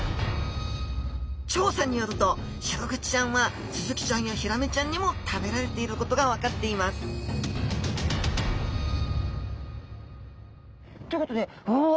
調査によるとシログチちゃんはスズキちゃんやヒラメちゃんにも食べられていることが分かっていますということでうわあ！